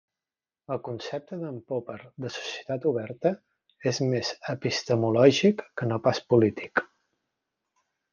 El concepte d'En Popper de societat oberta és més epistemològic que no pas polític.